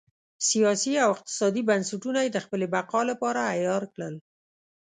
سیاسي او اقتصادي بنسټونه یې د خپلې بقا لپاره عیار کړل.